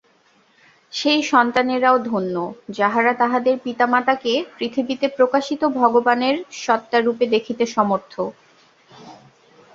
সেই সন্তানেরাও ধন্য, যাহারা তাহাদের পিতামাতাকে পৃথিবীতে প্রকাশিত ভগবানের সত্তারূপে দেখিতে সমর্থ।